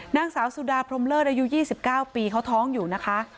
นางสาวสุดาพรมเลิศอายุ๒๙ปีเขาท้องอยู่นะคะ